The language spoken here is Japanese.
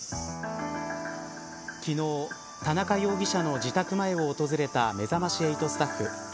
昨日田中容疑者の自宅前を訪れためざまし８スタッフ。